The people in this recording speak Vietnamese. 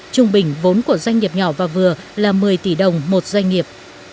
trung bình vốn của doanh nghiệp nhỏ và vừa là một mươi tỷ đồng một doanh nghiệp